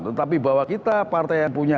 tetapi bahwa kita partai yang punya